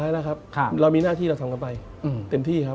เรามีหน้าที่เราทำกันไปเต็มที่ครับ